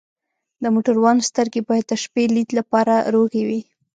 د موټروان سترګې باید د شپې لید لپاره روغې وي.